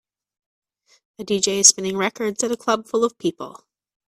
A DJ is spinning records at a club full of people.